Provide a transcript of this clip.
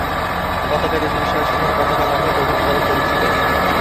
পতাকাটি তুষার সিংহের পতাকা নামেই অধিকতর পরিচিত।